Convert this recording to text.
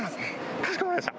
かしこまりました。